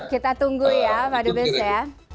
kita tunggu ya pak dubes ya